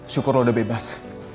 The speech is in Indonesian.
syukur lo udah bebas